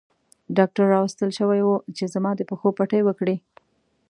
ډاکټر راوستل شوی وو چې زما د پښو پټۍ وکړي.